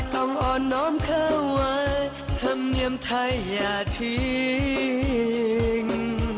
ต้องอ่อนน้อมเข้าไว้ทำเนียมไทยอย่าทิ้ง